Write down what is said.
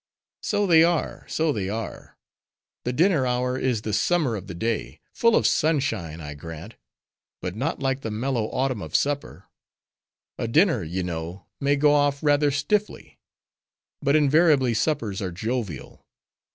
"So they are, so they are. The dinner hour is the summer of the day: full of sunshine, I grant; but not like the mellow autumn of supper. A dinner, you know, may go off rather stiffly; but invariably suppers are jovial.